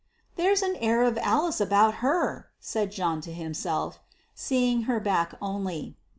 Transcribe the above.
"There's an air of Alice about her" said John to himself, seeing her back only.